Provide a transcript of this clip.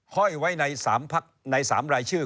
ห้อยไว้ใน๓รายชื่อ